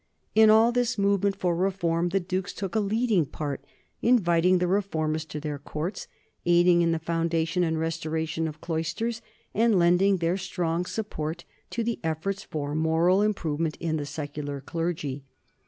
In all this move ment for reform the dukes took a leading part, inviting the reformers to their courts, aiding in the foundation and restoration of cloisters, and lending their strong support to the efforts for moral improvement in the sec ular clergy.